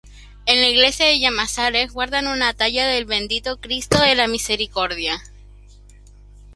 En la iglesia de Llamazares guardan una talla del Bendito Cristo de la Misericordia.